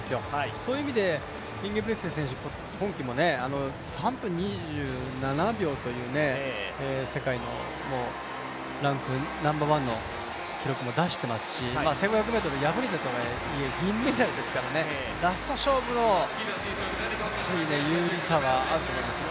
そういう意味でインゲブリクセン選手、今季も３分２７秒という世界のランクナンバーワンの記録も出していますし、１５００ｍ敗れたとはいえ銀メダルですからね、ラスト勝負の有利さはあると思います。